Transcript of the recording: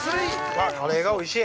◆カレーがおいしい